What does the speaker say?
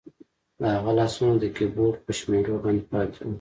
د هغه لاسونه د کیبورډ په شمیرو باندې پاتې وو